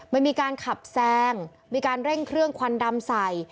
มันมีการขับแซงมีการเร่งเครื่องควันดำใส่